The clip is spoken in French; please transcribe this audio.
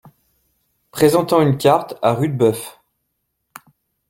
Présentant une carte à Rudebeuf.